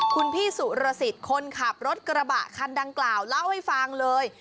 คุณพี่สุรสิทธิ์คนขับรถกระบะคันดังกล่าวเล่าให้ฟังเลย